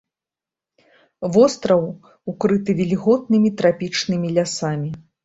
Востраў укрыты вільготнымі трапічнымі лясамі.